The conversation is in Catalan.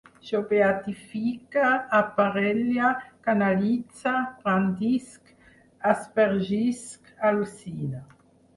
Jo beatifique, aparelle, canalitze, brandisc, aspergisc, al·lucine